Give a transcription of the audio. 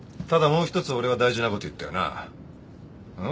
ただもう一つ俺は大事なこと言ったよな？